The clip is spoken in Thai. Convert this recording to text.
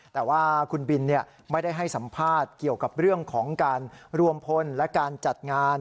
แต่ว่าคุณบินไม่ได้ให้สัมภาษณ์เกี่ยวกับเรื่องของการรวมพลและการจัดงาน